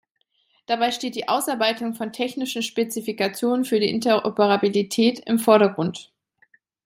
Dabei steht die Ausarbeitung von technischen Spezifikationen für die Interoperabilität im Vordergrund.